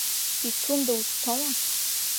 Пицунда узцома?